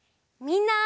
みんな！